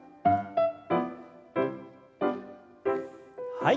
はい。